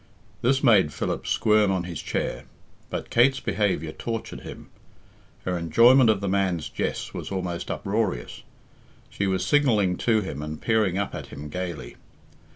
This made Philip squirm on his chair, but Kate's behaviour tortured him. Her enjoyment of the man's jests was almost uproarious. She was signalling to him and peering up at him gaily.